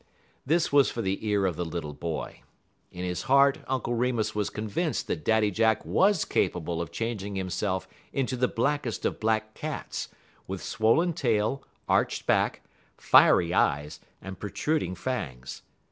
This was for the ear of the little boy. In his heart Uncle Remus was convinced that Daddy Jack was capable of changing himself into the blackest of black cats, with swollen tail, arched back, fiery eyes, and protruding fangs.